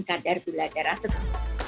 kadar gula darah tetap